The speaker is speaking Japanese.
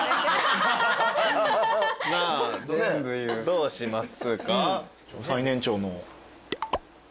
どうしますか？